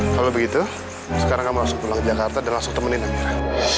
kalau begitu sekarang kamu langsung pulang ke jakarta dan langsung temenin aku